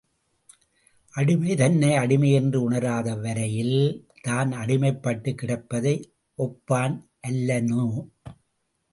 அடிமை தன்னை அடிமை என்று உணராத வரையில் தான் அடிமைப்பட்டுக் கிடப்பதை ஒப்பான் அல்லனோ?